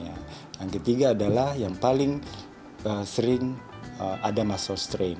yang ketiga adalah yang paling sering ada muscle strain